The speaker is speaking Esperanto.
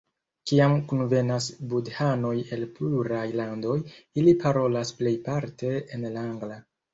Kiam kunvenas budhanoj el pluraj landoj, ili parolas plejparte en la angla.